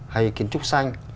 hay kiến trúc xanh